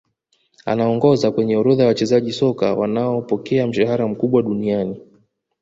Anaongoza kwenye orodha ya wachezaji soka wanaopokea mshahara mkubwa zaidi duniani